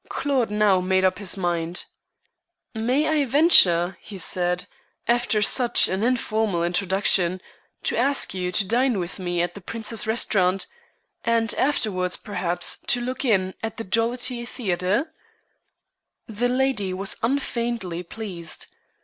Claude now made up his mind. "May I venture," he said, "after such an informal introduction, to ask you to dine with me at the Prince's Restaurant, and afterwards, perhaps, to look in at the Jollity Theatre?" The lady was unfeignedly pleased.